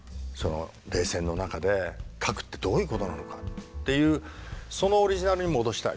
冷戦の中で核ってどういうことなのかっていうそのオリジナルに戻したいと。